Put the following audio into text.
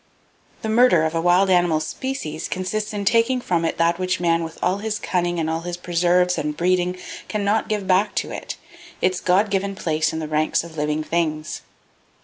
The murder of a wild animal species consists in taking from it that which man with all his cunning and all his preserves and breeding can not give back to it,—its God given place in the ranks of Living Things.